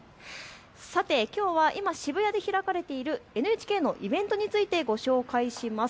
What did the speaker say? さてきょうは今渋谷で開かれているＮＨＫのイベントについてご紹介します。